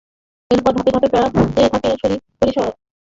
এরপর ধাপে ধাপে বাড়তে থাকে পরিসর।